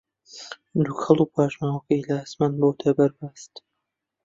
دووکەڵ و پاشماوەکەی لە ئاسمان بووەتە بەربەست